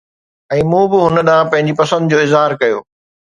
۽ مون به هن ڏانهن پنهنجي پسند جو اظهار ڪيو